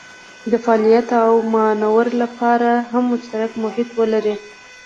د فعالیت او مانور لپاره هم مشترک محیط ولري.